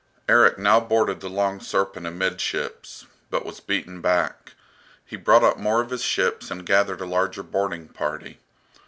Erik now boarded the "Long Serpent" amidships, but was beaten back. He brought up more of his ships and gathered a larger boarding party.